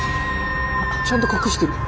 ちゃんと隠してる。